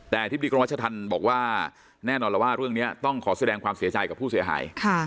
แต่อธิบดีกรมรัชธรรมบอกว่าแน่นอนแล้วว่าเรื่องนี้ต้องขอแสดงความเสียใจกับผู้เสียหาย